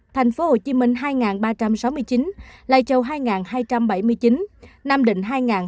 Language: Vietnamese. thành phố hồ chí minh hai ba trăm sáu mươi chín lạy châu hai hai trăm bảy mươi chín nam định hai tám trăm năm mươi